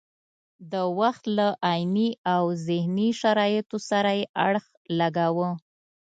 د وخت له عیني او ذهني شرایطو سره یې اړخ لګاوه.